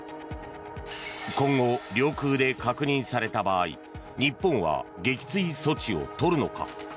今後、領空で確認された場合日本は撃墜措置を取るのか。